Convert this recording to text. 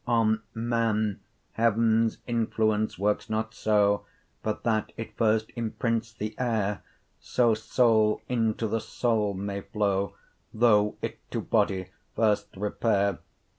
On man heavens influence workes not so, But that it first imprints the ayre, Soe soule into the soule may flow, Though it to body first repaire.